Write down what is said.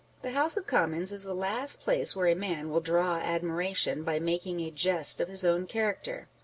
The House of Commons is the last place where a man will draw admiration by making a jest of his own character.